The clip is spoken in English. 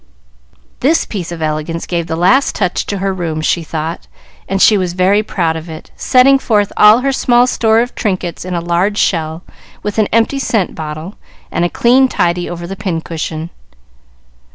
This piece of elegance gave the last touch to her room, she thought, and she was very proud of it, setting forth all her small store of trinkets in a large shell, with an empty scent bottle, and a clean tidy over the pincushion.